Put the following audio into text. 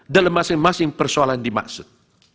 dalam masing masing persoalan dimaksud